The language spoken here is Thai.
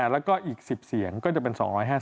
แล้วก็อีก๑๐เสียงก็จะเป็น๒๕๐